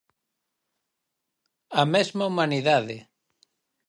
A mesma humanidade.